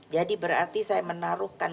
jadi berarti saya menaruhkan